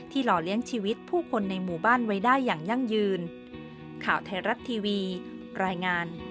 หล่อเลี้ยงชีวิตผู้คนในหมู่บ้านไว้ได้อย่างยั่งยืน